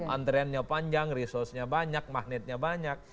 antreannya panjang resource nya banyak magnetnya banyak